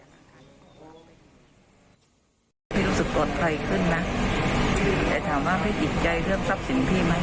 รู้สึกปลอดภัยขึ้นนะแต่ถามว่าพี่ติดใจเรื่องทรัพย์สินพี่ไหม